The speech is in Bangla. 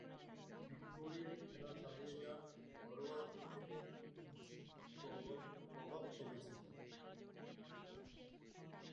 ভিক্টোরিয়ায় খেলা চালিয়ে যান ও ঘরোয়া ক্রিকেটে কিছু প্রভাব ফেলেছিলেন।